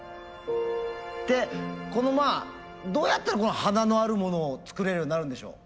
どうやったらこの華のあるものを作れるようになるんでしょう？